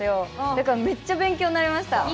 だから、めっちゃ勉強になりました。